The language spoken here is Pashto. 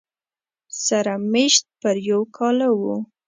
سره مېشت پر یو کاله و